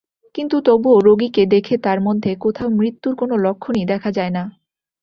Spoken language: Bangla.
কিন্তু তবুও রোগীকে দেখে তাঁর মধ্যে কোথাও মৃত্যুর কোনো লক্ষণই দেখা যায় না।